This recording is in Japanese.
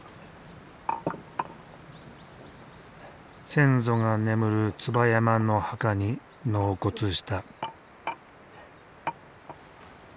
先祖が眠る椿山の墓に納骨した。